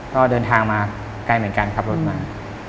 ก็เดินทางมาไกลเหมือนกันขับรถมา